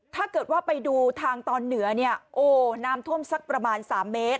ถ้าเกิดว่าไปดูทางตอนเหนือเนี่ยโอ้น้ำท่วมสักประมาณ๓เมตร